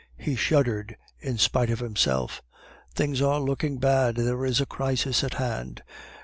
He shuddered in spite of himself. "'Things are looking bad. There is a crisis on hand.